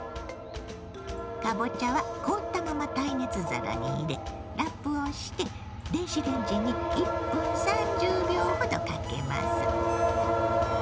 かぼちゃは凍ったまま耐熱皿に入れラップをして電子レンジに１分３０秒ほどかけます。